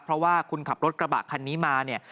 เพราะว่าคุณขับรถกระบะคันนี้มาเนี่ย